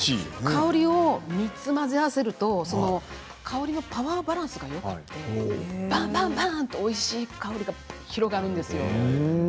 香りを３つ混ぜ合わせると香りのパワーバランスがよくてばんばんばんとおいしい香りが広がるんです。